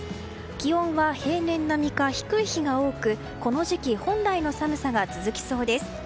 気温は平年並みか、低い日が多くこの時期本来の寒さが続きそうです。